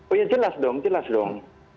oh ya jelas dong jelas dong